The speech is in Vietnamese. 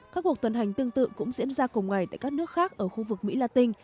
các cuộc tuần hành tương tự cũng diễn ra cùng ngày tại các nước khác ở khu vực mỹ la tinh